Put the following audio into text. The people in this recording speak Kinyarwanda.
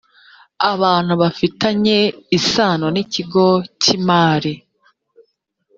abantu bafitanye isano n’ ikigo cy’ imari